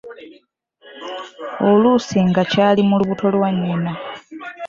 Oluusi ng’akyali mu lubuto lwa nnyina.